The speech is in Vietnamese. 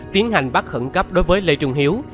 tiến hành bắt khẩn cấp đối với lê trung hiếu